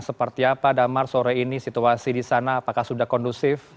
seperti apa damar sore ini situasi di sana apakah sudah kondusif